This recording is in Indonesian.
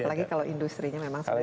apalagi kalau industri nya memang sudah